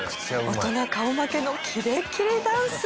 大人顔負けのキレキレダンス。